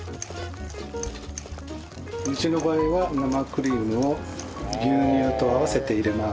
うちの場合は生クリームを牛乳と合わせて入れます。